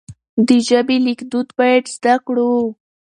د ژبې ليکدود بايد زده کړو.